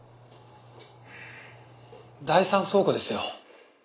「第三倉庫ですよ」